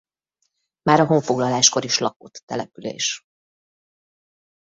Már a honfoglaláskor is lakott település.